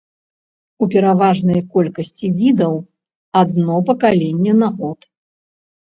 У пераважнай колькасці відаў адно пакаленне на год.